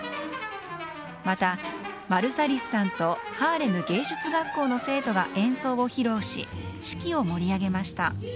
また、マルサリスさんとハーレム芸術学校の生徒が演奏を披露し式を盛り上げました。